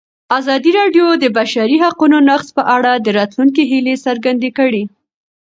ازادي راډیو د د بشري حقونو نقض په اړه د راتلونکي هیلې څرګندې کړې.